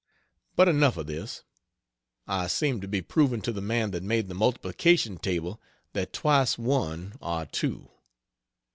But enough of this; I seem to be proving to the man that made the multiplication table that twice one are two.